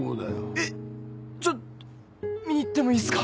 えっちょっと見に行ってもいいっすか？